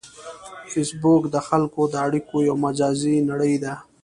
فېسبوک د خلکو د اړیکو یو مجازی نړۍ ده